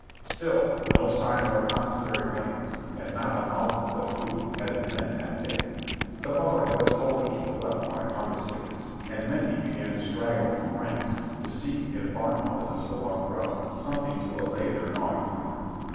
Still no sign of our commissary wagons and not a mouthful of food had the men that day. Some of our best soldiers were left on account of sickness, and many began to straggle from ranks to seek in farm houses along the route something to allay their gnawing hunger.